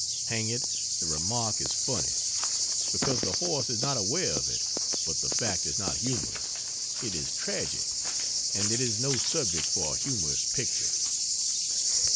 Hang it, the remark is funny because the horse is not aware of it but the fact is not humorous, it is tragic and it is no subject for a humorous picture.